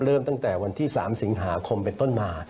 เริ่มตั้งแต่วันที่๓สิงหาคมเป็นต้นมา